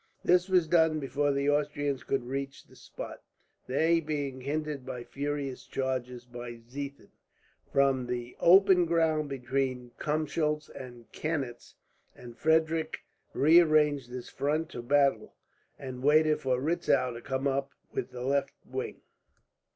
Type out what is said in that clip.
This was done before the Austrians could reach the spot, they being hindered by furious charges by Ziethen, from the open ground between Kumschutz and Canitz; and Frederick rearranged his front of battle, and waited for Retzow to come up with the left wing.